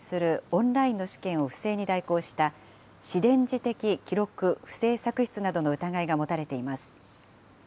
オンラインの試験を不正に代行した、私電磁的記録不正作出などの疑いが持たれています。